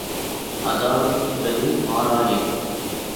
அதாவது என்பது மாறா எண்.